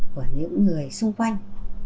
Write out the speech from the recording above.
của những người xung quanh